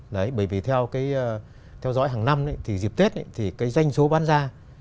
bởi vì theo dõi hàng năm thì dịp tết thì cái danh số bán ra